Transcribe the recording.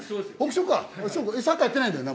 サッカーやってないんだよな？